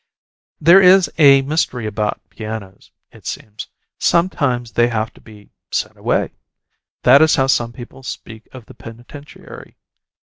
There is a mystery about pianos, it seems. Sometimes they have to be "sent away." That is how some people speak of the penitentiary.